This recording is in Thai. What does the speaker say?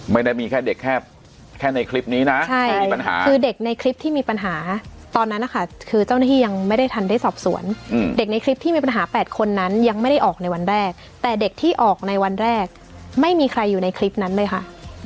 ไม่ได้มีแค่เด็กแค่ในคลิปนี้นะใช่คือเด็กในคลิปที่มีปัญหาตอนนั้นนะคะคือเจ้าหน้าที่ยังไม่ได้ทันได้สอบสวนเด็กในคลิปที่มีปัญหา๘คนนั้นยังไม่ได้ออกในวันแรกแต่เด็กที่ออกในวันแรกไม่มีใครอยู่ในคลิปนั้นเลยค่ะ